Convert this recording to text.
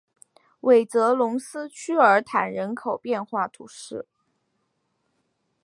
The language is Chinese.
韦泽龙斯屈尔坦人口变化图示